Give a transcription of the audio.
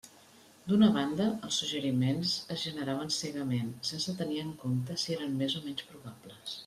D'una banda, els suggeriments es generaven “cegament”, sense tenir en compte si eren més o menys probables.